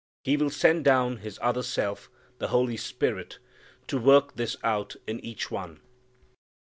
He will send down His other self, the Holy Spirit, to work this out in each one.